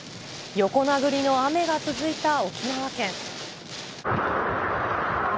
横殴りの雨が続いた沖縄県。